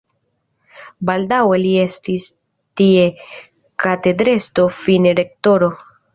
Baldaŭe li estis tie katedrestro, fine rektoro.